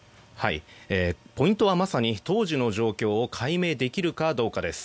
ポイントはまさに当時の状況を解明できるかどうかです。